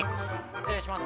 失礼します。